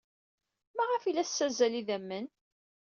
Maɣef ay la tessazzal idammen?